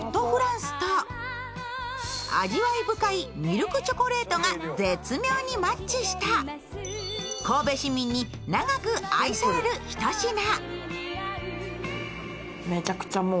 フランスと味わい深いミルクチョコレートが絶妙にマッチした神戸市民に長く愛されるひと品。